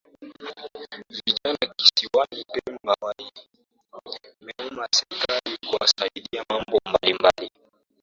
Vijana kisiwani Pemba waimeomba Serikali kuwasaidia mambo mbalimbali